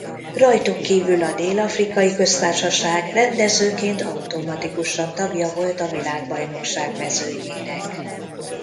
Rajtuk kívül a Dél-afrikai Köztársaság rendezőként automatikusan tagja volt a világbajnokság mezőnyének.